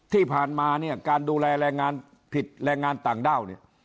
ที่ผ่านมาเนี่ยการดูแลแรงงานผิดแรงงานต่างด้าวเนี่ย